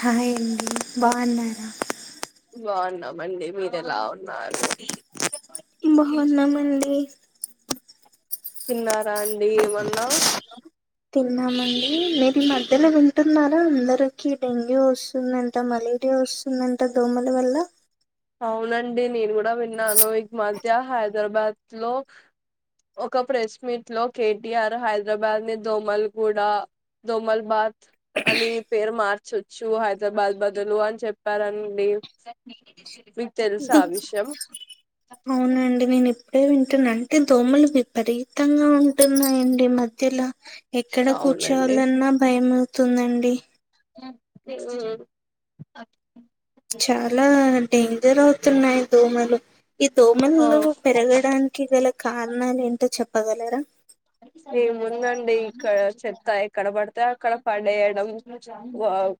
హాయండి బాగున్నారా మండి మీరు ఎలా ఉన్నారు బాగున్నామండి తిన్నారా అండి ఏమన్నా తిన్నామండి మీరు నేను ఈ మధ్యలో వింటున్నారా అందరికి డెంగ్యూ వస్తుందిదాట మలేరియా ఒస్తుందంట దోమల వల్ల అవునండి నేను కూడా విన్నాను ఇక మధ్య హైదరాబాద్ లో ఒక ప్రెస్ మీట్ లో కేటిఆర్ హైదరాబాద్ ని దోమలు గూడా దోమల్బాద్ అని పేరు మార్చొచ్చు హైదరాబాద్ బదులు అని చెప్పారండి మీకు తెలుసా ఆ విషయం అవునండి నేనేప్పు ఇప్పుడే వింటున్నా అంటే దోమలు విపరీతంగా ఉంటున్నాయండి ఈ మధ్యలో ఎక్కడ అవునండి కూర్చోవాలన్నా భయంమవుతుందండి హ్మ్మ్ చాలా డేంజర్ అవుతున్నాయి దోమలు ఈ దోమలు అవు పెరగడానికి గల కారణాలు ఏంటో చెప్పగలరా ఏముందండి ఇక్కడ చెత్త ఎక్కడ పడితే అక్కడ పడేయడం వా వావ్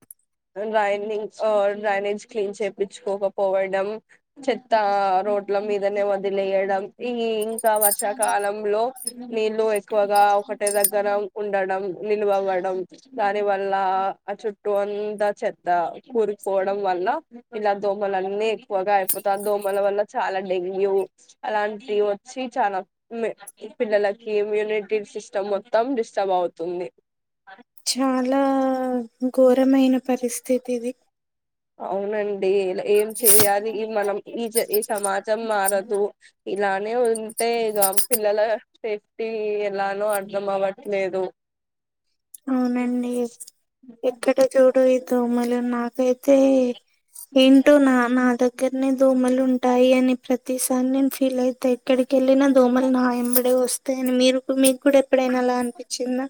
డ్రైనింగ్ ఆహ్ డ్రైనేజ్ క్లీన్ చేపించుకోకపోవడం చెత్త రో రోడ్లమీదనే వదిలేయడం ఈ ఇంకా వర్షాకాలంలో నీళ్ళ ఎక్కువగా ఒకటే దగ్గర ఉండడం నిలువవ్వడం దాని వల్ల చుట్టు అంత చెద్ద కూరుకుపోవడం వల్ల ఇలా దోమలన్నీ ఎక్కువగా అయిపోతా దోమల వల్ల చాలా డెంగ్యూ అలాంటి వచ్చి చాలా మ్ పిల్లల కి ఇమ్యూనిటీ సిస్టమ్ మొత్తం డిస్టర్బ్ అవుతుంది చాలా ఘోరమైన పరిస్థితిది అవునండి ఇలా ఏం చెయాలి మనం ఈజ ఈ సమాజంలో మారదు ఇలానే ఉంటే ఇగ పిల్లల సేఫ్టీ ఈ ఎలానో అర్థం అవ్వట్లేదు అవునండి ఎక్కడ చూడు ఈ దోమలు నాకైతే ఏంటూ నా నాద దగ్గరనే దోమలు ఉంటాయి అని ప్రతిసారి నేను ఫీల్ అయిత ఎక్కడికి వెళ్ళిన దోమలు నాయంబడే వస్తాని మీరు మీకు కూడా ఎప్పుడైనా అలా అనిపించిందా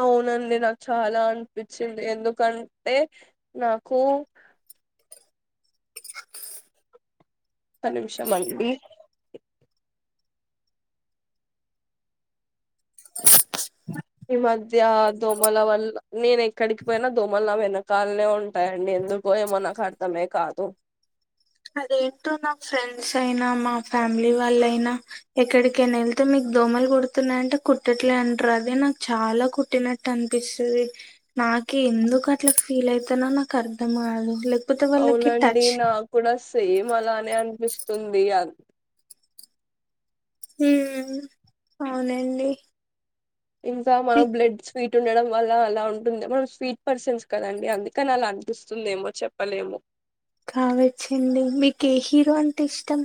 అవునండి నాకు చాలా అనిపించింది ఎందుకంటే నాకు హ ఒక నిమిషం అండి ఈ మధ్య దోమల వల్ల నేను ఎక్కడికి పోయినా దోమల వెనకాలనే ఉంటాయంండి ఎందుకు ఓ ఏమో నాకు అర్థమే కాదు అదేంటో నా ఫ్రెండ్స్ అయినా మా ఫ్యామిలీ వాళ్ళైనా ఎక్కడికైనా వెళ్తే మీకు దోమలు కుడుతున్నాయంటే కుట్టట్లే అంటారు అదే నాకు చాలా కుట్టినట్టు అనిపిస్తుంది నా నాకి ఎందుకు అట్లా ఫీల్ అయితనో నాకు అర్థం కాదు లె అవునండి నా కూడా సేమ్ అలానే అనిపిస్తుంది అ ఉమ్మ్ అవునండి ఇంకా మన మీ బ్లడ్ స్వీట్ ట్ ఉండడం వల్ల అలా ఉంటుంది మనం స్వీట్ పర్సన్స్ కదండి అందుకని అలా అనిపిస్తుందేమో చెప్పలేము కావచ్చండి మీకి ఏ హీరో అంటే ఇష్టం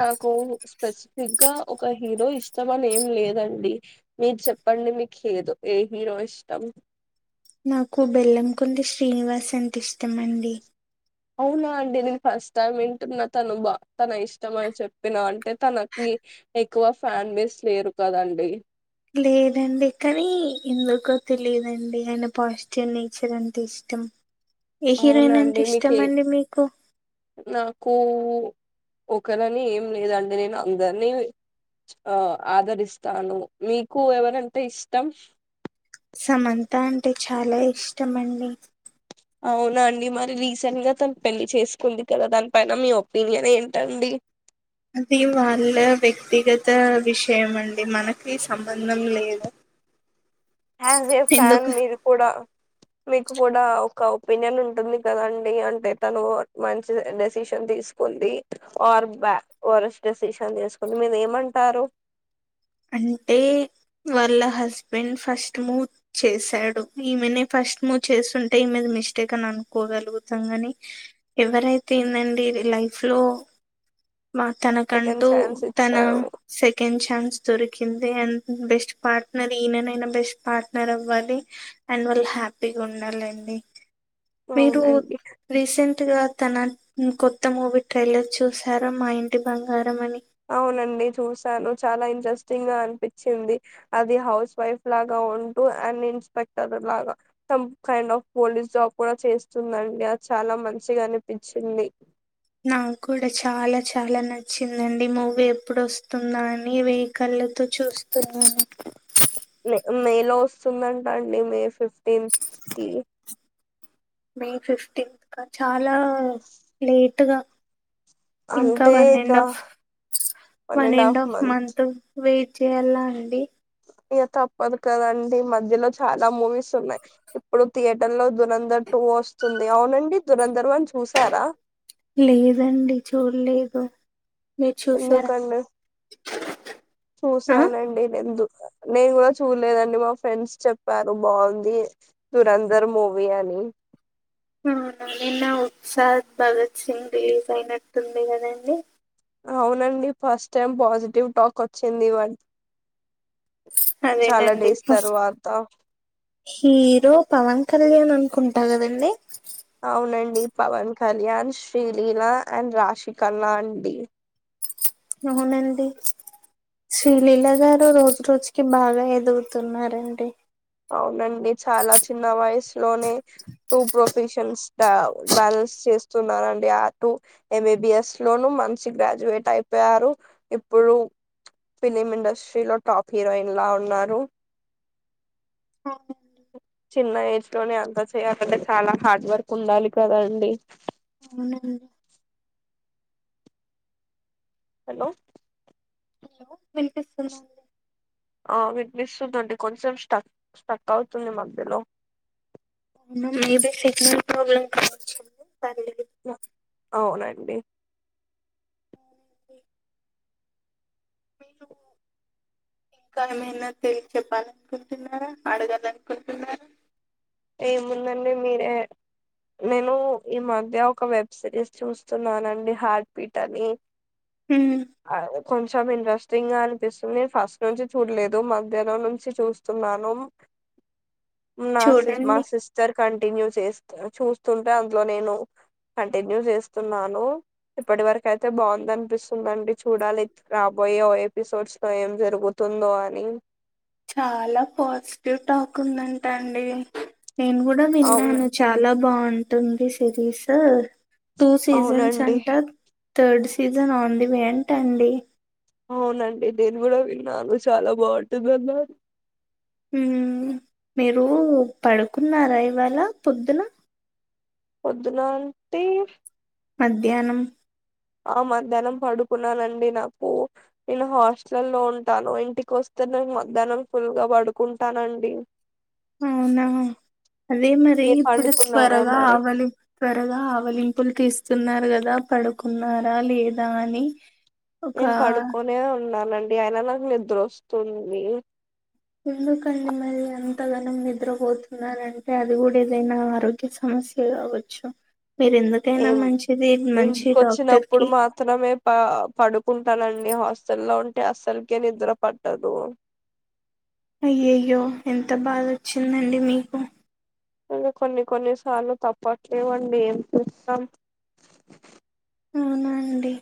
నాకు స్పెసిఫిక్గా ఒక హీరో ఇష్టమని ఏం లేదండి మీర్ చెప్ ప్పండి మీకు ఏదు ఏ హీరో ఇష్టం నాకు బెల్లం కొండ శ్రీనివాస్ అంటే ఇష్టమండి అవునా అండి నేను ఫస్ట్ టైం వింటున్నా తను బా తన ఇష్టం అని చెప్పినా అంటే తనకి కి ఎక్కువ ఫ్యాన్ బెస్ లేరు కదండి లేదండి కానీ ఎందుకో తెలిదండి ఆయన పాజిటివ్ నేచర్ అంటే ఇష్ టం అవునండి మీకేం మీకు నాకు ఒకలని ఏం లేదంటే నేను అందరినీ ఆ ఆదరిస్తాను మీకు ఎవరంటే ఇష్టం సమంత అంటే చాలా ఇష్టమండి అవునా అండి మరి రీసెంట్ గా తను పెళ్లి చేసుకుంది కదా దానిపైన మీ ఒపీనియన్ ఏంటండి అది వాళ్ళ వ్యక్తిగత విషయం అండి మనకి సంబంధం లేదు ఆస్ ఏ ఫ్యాన్ ఎందుకు మీరు కూడా మీకు కూడా ఒక ఒపీనియన్ ఉంటుంది కదండి అంటే తను మంచి డెసిషన్ తీసుకుంది ఆర్ బ వరస్ట్ డెసిషన్ తీసుకుని మీరు ఏమంటారు అంటే వాళ్ళ హస్బెండ్ ఫస్ట్ మూవ్ చేశాడు ఈమెనే ఫ ఫస్ట్ మూవ్ చేస్తుంటే ఈ మీద మిస్టేక్ అని అనుకోగలుగుతాం ని ఎవరైతే ఏందండి లైఫ్ లో మ సెకండ్ తనకంటూ ఛాన్స్ తన ఇచ్చారు సెకండ్ ఛాన్స్ దొరికింది అండ్ బెస్ట్ పార్ట్నర్ ఈయననైనా బెస్ట్ పార్ట్నర్ అవ్వాలి అండ్ వాళ్ళ హ్య పీగా ఉండాలండి మీరు అవునండి రీసెంట్ ట్ గా తన కొత్త మూవీ ట్రైలర్ చూసార మా ఇంటి బంగార అవునండి చూసాను చాలా ఇంట్రెస్ స్టింగ్ గా అనిపించింది అది హౌస్ వైఫ్ లాగా ఉంటూ అండ్ ఇన్స్పెక్టర్ లాగా త్తం కైండ్ ఆఫ్ పోలీస్ జాబ్ కూడా చేస్తుందిండి అది చాలా మంచిగా అనిపించింది నాకు కూడా చాలా చాలా నచ్చిందండి మూవీ ఎప్పుడు వస్తుంద అని వెయికల్లతో చూస్తున్నాను మేలో వస్తుందంట అండి మే ఫిఫ్టీన్త్ కి మే ఫిఫ్టీంత్ కా చాలా లేట్గా ఇంకా అంటే వన్ ఇక and half one and half month wait చేయాలా అండి ఇగ తప్పదు కదండి మధ్యలో చాలా మూవీస్ ఉన్నాయి ఇప్పుడు థియేటర్ లో దురంధర్ టూ వస్తుంది అవునండి దురంధర్ చూసారా లేదండి చూడలేదు మీరు చూసారా ఎందుకండి ఆ చూసానండి నెన్ దు నేను కూడా చూడలేదండి మా ఫ్రెండ్స్ చెప్పారు బాగుంది దురంధర్ మూవీ అ ని ఔనా నిన్న ఉత్సాద్ భగత్ సింగ్ రివీజ్ అయినట్టుంది కదండి అవునండి ఫస్ట్ టైం పాజిటివ్ టాక్ వచ్చింది ఇవన్ చాలా అదేనండి డేస్ తరువాత హీరో పవన్ కళ్యాణ్ అనుకుంటా కదండి అవునండి పవన్ కళ్యాణ్ శ్రీలీలా అండ్ రాశికన్నా అండి అవునండి శ్రీలీల గారు రోజు రోజుకి బాగా ఎదుగుతున్నారండి లోనే టూ ప్రొఫెషన్స్ బ్యా బ్యాలెన్స్ చేస్ న్నారండి అటుూ ఎం. బీ. బి. ఎస్ లోనూ మనిషి గ్రాడ్యుయేట్ అయిపోయారు ఇప్పుడు ఫిలిం ఇండస్ట్రీలో టాప్ హీరోయిన్ లా ఉన్నారు అవును చిన్న ఏజ్ లోనే అంతా చెయాలంటే చాలా హార్డ్ వర్క్ ఉండాలి కదా అండి అవునండి హలో వినిపిస్తుందా అండి ఆ వినిపిస్తుందండి కొంచెం స్టక్ స్టక్ అవుతుంది మధ్యలో ఇంగా లేదు పెట్టిన [unintelligible] పర్లేదు అవునండి ఏ మేము ఇంకా ఏమైనా తెలియ చెెప్పాలనుకుంటున్నారా అడగాలనుకుంటున్నారా ఏముందండి మీరే నేను ఈ మధ్య ఒక వెబ్ సిరీస్ చూస్తున్నానండి హార్ట్ బీట్ అని ఉమ్, కొన్ చం ఇంట్రెస్టింగ్ గా అనిపిస్తుంది ఫస్ట్ నుంచి చూడలేదు మధ్యానం నుంచి చూస్తున్నాను నా సిస్ మా చూడండి సిస్టర్ కంటిన్యూ చేస్ చూస్తుంటే అందులో నేను కంటిన్యూ చేస్తున్నాను ఇప్పటి వరకు అయితే బాగుందనిపిస్తుందండి చూడాలి రాబో పోయో ఎపిసోడ్స్ లో ఏం జరుగుతుందో అని చాలా పాజిటివ్ టాక్ ఉందంట అండి నేను కూడా అవును విన్నాను చాలా బాగుంటుంది సిరీసు టూ సీజన్స్ అవునండి అంట third season on the way అంటండి అవునండి నేను కూడా విన్నాను చాలా బాగుంటుందన్నారు నేను మీరు పడుకున్నారా ఇవాళ పొద్దున పొద్దునా అంటే మధ్యానం ఆ మధ్యానం పడుకున్నానండి నాకు నేను హాస్టల్ లో ఉంటాను ఇంటికి వస్తే నేను మధ్యానం ఫుల్ గా పడుకుంటానండి అవునా అదే మరి మీరు ఇప్పుడు పండుకున్నారా త్వరగా మరి ఆవలిం త్వరగా ఆవలింపులు తీస్తున్నారు కదా గా పడుకున్నారా లేదా అని ఒక నేను పడుకోనే ఉన్నానండి ఆయన నాకు నిద్ర వస్తుంది ఎందుకండి మళ్ళీ అంతగానం నిద్రపోతున్నారంటే అది కూడా ఏదైనా ఆరోగ్య సమస్ సమస్య కావొచ్చు ఏం ఇంటికి డాక్టర్ వచ్చినప్పుడు కి మాత్రమే ప పడు కుంటానండి హాస్టల్ లో ఉంటే అసలుకే నిద్ర పట్టదు అయ్యయ్యో ఎంత బాధ వచ్చిందండి మీకు ఇంగ కొన్ని కొన్నిసార్లు తప్పట్లేవండి ఏం చేస్తాం అవునండి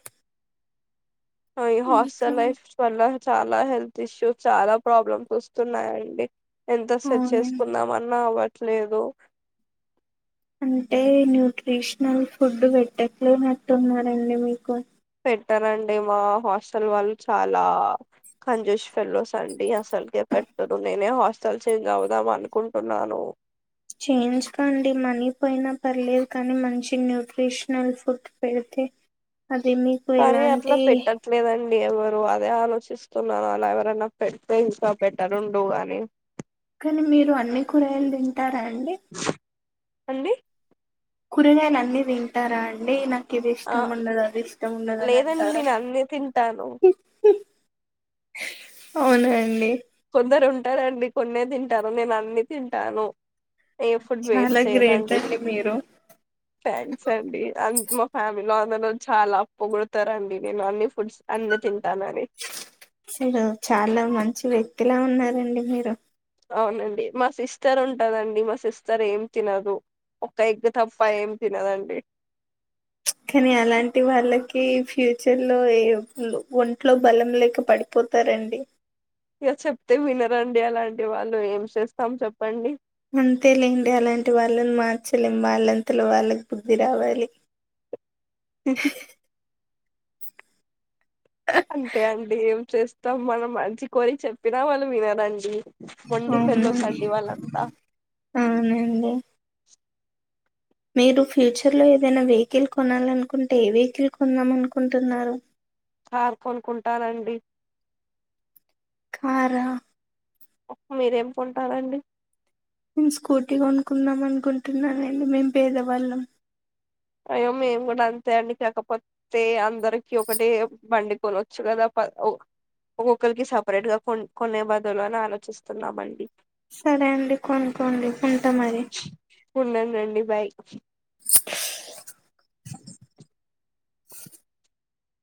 అ హాస్టల్ లైఫ్ చాలా హప్ చాలా హెల్త్ ఇష్యూస్ చాలా ప్రాబ్లమ్స్ వస్తున్నాయండి ఎంత సెట్ అవునండి చేసుకుందాం అన్నా అవ్వట్లేదు అంటే న్యూట్రిషనల్ ఫుడ్ పెట్టట్లేనట్టున్నారండి మీకు పెట్టరండి మా హాస్టల్ వాళ్ళు చాలా కంజూష్ ఫెలోస్ అండి అసలుకే పెట్టరు నేనే హాస్టల్ చేంజ్ అవుదాం అనుకుంటున్నాను చేయించుకోండి మనీ పోయినా పర్లేదు కానీ మంచి న్యూట్రిషనల్ ఫుడ్ పెడితే తే పని అట్ల పెట్టట్లేదండి ఎవరు అదే ఆలోచిస్తున్నాను అలా ఎవరైన పెడితే ఇంక బెట్టారుండు అని కానీ మీరు అన్ని కూరగయలు తింటార అండి అండి కూరగాయాలు అన్ని తింటార అండి నా ఇది ఆ ఇష్టం ఉండదు అది ఇష్టం ఉండదని లేదండి అంటార నేను అన్ని తింటాను అవునండి కొందరు ఉంటారండి కొన్నే తింటారు నేను అన్ని తింటాను ఏ ఫుడ్ వేస్ట్ చాలా గ్రేట్ చేయనండి అండి మీరు ఫ్యాన్స్ అండి అ ఫ్యామిలో అందరు చాలా పొగుడుతారండీ నేను అన్ని ఫుడ్స్ అన్ని తి అసలు చాల మంచి వ్యక్తిలా ఉన్నారండి మీరు అవునండి మా సిస్టర్ ఉంటదండి మా సిస్టర్ ఏం తినదు ఒక ఎగ్ తప్ప ఏం తినదండి [inaudible] కానీ అలాంటి వాళ్ళకి ఫ్యూచర్ లో ఒంట్లో బలం లేక పడిపో తారండి ఇగాచెప్తే వినరండి అలాంటి వాళ్ళు ఏం చేస్తాం చెప్పండి అంతే లేండి అలాంటి వాళ్ళని మార్చలేం వాళ్ళంతలో వాళ్ళకు బుద్ధి రావాలి [inaudible] హ్మ్ అంతే అండి ఏం చేస్తాం మనం మంచి కోరి చెప్పినా వాళ్ళు వినరండి మొండి ఫెలోస్ అవునండి అండి వాళ్లంత అవునండి [inaudible] మీరు ఫ్యూచర్లో ఏదైన వెహికిల్ కొనాలనుకుంటే ఏ వెహికిల్ కొందమనుకుంటున్నారు కార్ కొనుకుంటానండి కార మీరేం కొంటారండి మేము స్కూటీ కొనుక్కున్నాం అనుకుంటున్నానండి మేము పేదవాళ్ళం అయ్యో మేము కూడ అంతే అండి కాకపోతే అందరికి ఒకటే బండి కొనోచ్చు కదా ఒక్కొక్కలకి సపరేట్ గా కొ కొనే బదులు అని ఆలోచిస్తున్నామండి సరే అండి కొనుక్కోండి ఉంట మరి వుండండండి బాయ్